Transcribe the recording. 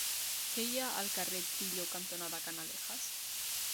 Què hi ha al carrer Trillo cantonada Canalejas?